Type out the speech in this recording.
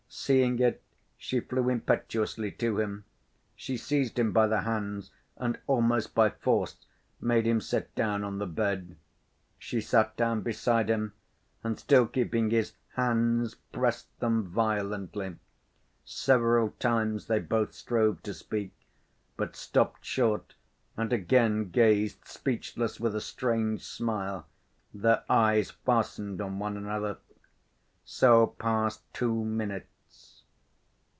Seeing it, she flew impetuously to him. She seized him by the hands, and almost by force made him sit down on the bed. She sat down beside him, and still keeping his hands pressed them violently. Several times they both strove to speak, but stopped short and again gazed speechless with a strange smile, their eyes fastened on one another. So passed two minutes.